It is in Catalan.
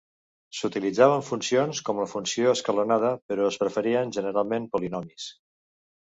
S'utilitzaven funcions com la funció escalonada però es preferien generalment polinomis.